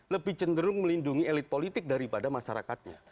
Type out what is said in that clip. lebih cenderung melindungi elit politik daripada masyarakatnya